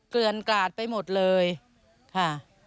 เกลือนกราดไปหมดเลยค่ะ